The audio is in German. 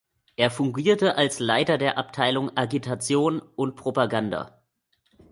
Er fungierte als Leiter der Abteilung Agitation und Propaganda.